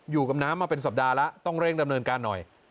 อยู่กับน้ำมาเป็นสัปดาห์แล้วต้องเร่งดำเนินการหน่อย